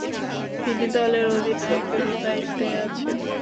তিনি দলের অধিনায়কেরও দায়িত্বে ছিলেন।